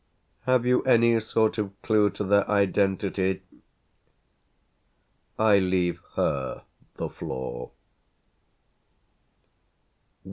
Have you any sort of clue to their identity? I leave her the floor.